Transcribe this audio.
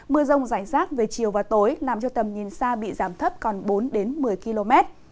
mưa rông rải rác về chiều và tối làm cho tầm nhìn xa bị giảm thấp còn bốn một mươi km